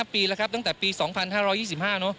ปีแล้วครับตั้งแต่ปี๒๕๒๕เนอะ